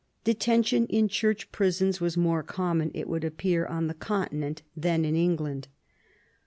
Detention in Church prisons was more common, it would appear, on the Continent than in England.